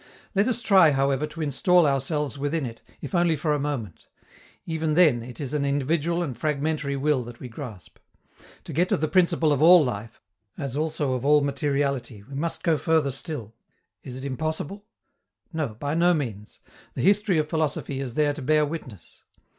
Let us try, however, to instal ourselves within it, if only for a moment; even then it is an individual and fragmentary will that we grasp. To get to the principle of all life, as also of all materiality, we must go further still. Is it impossible? No, by no means; the history of philosophy is there to bear witness.